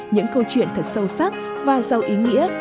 những câu chuyện thật sâu sắc và giàu ý nghĩa